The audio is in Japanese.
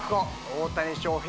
大谷翔平